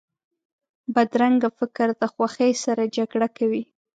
بدرنګه فکر د خوښۍ سره جګړه کوي